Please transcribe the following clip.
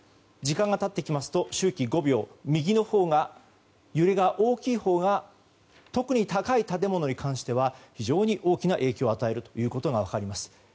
時間が経っていきますと周期５秒右のほうが揺れが大きいほうが特に高い建物に関しては非常に大きな影響を与えるということが分かります。